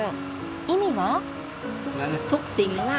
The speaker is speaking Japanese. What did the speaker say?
意味は？